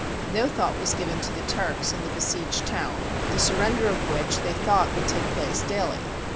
No thought was given to the Turks in the besieged town, the sur render of which they thought would take place daily.